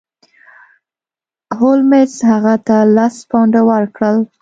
هولمز هغه ته لس پونډه ورکړل.